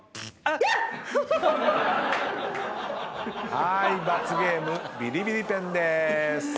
はーい罰ゲームビリビリペンでーす。